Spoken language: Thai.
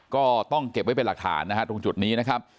ก็ต้องเก็บไว้เป็นหลักฐานนะฮะตรงจุดนี้นะครับ